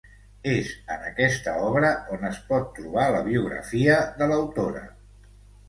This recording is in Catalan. És en aquesta obra on es pot trobar la biografia de l'autora.